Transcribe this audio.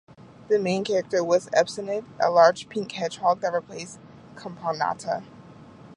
The main character was Espinete, a large pink hedgehog that replaced Caponata.